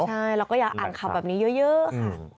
ใช่เราก็อยากอังคับแบบนี้เยอะค่ะ